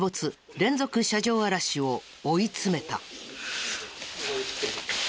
連続車上荒らしを追い詰めた。